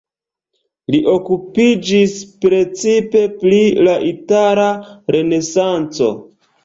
Li okupiĝis precipe pri la itala renesanco.